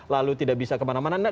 lalu tidak bisa kemana mana